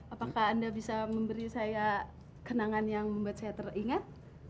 apakah anda bisa memberi saya kenangan yang membuat saya teringat